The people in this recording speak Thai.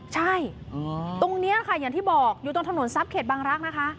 ใช่ตรงนี้ค่ะอย่างที่บอกอยู่ตรงถนนทรัพย์เขตบางรักษ์นะคะ